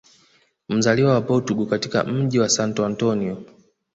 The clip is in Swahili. Mzaliwa wa portugal katika mji wa Santo Antonio